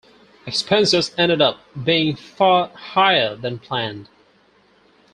Expenses ended up being far higher than planned.